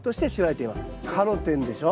カロテンでしょ。